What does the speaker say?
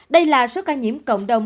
đây là số ca nhiễm cộng đồng